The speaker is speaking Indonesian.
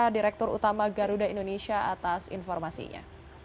direktur utama garuda indonesia atas informasinya